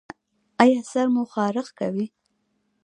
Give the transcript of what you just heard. ایا سر مو خارښ کوي؟